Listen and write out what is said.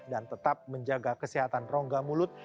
dan tetap menjaga kesehatan rongga mulut